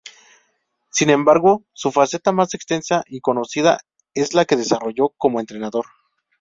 Sin embargo, su faceta más extensa y conocida es la que desarrolló como entrenador.